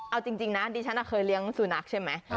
เอาจริงนะดิฉันเคยเลี้ยงสุนัขใช่ไหม